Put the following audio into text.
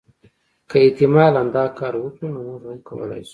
که احتمالا دا کار وکړي نو موږ هم کولای شو.